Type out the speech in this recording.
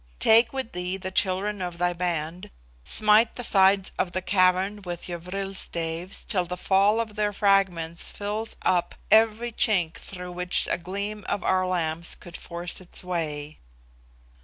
Take with thee the children of thy band, smite the sides of the cavern with your vril staves till the fall of their fragments fills up every chink through which a gleam of our lamps could force its way.